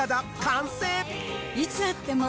いつ会っても。